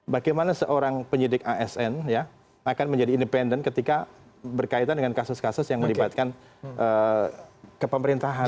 bagaimana seorang penyidik asn akan menjadi independen ketika berkaitan dengan kasus kasus yang melibatkan kepemerintahan